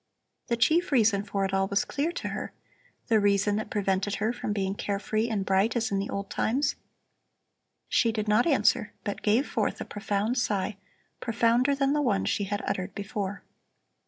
The chief reason for it all was clear to her, the reason that prevented her from being carefree and bright as in the old times. She did not answer, but gave forth a profound sigh, profounder than the one she had uttered before.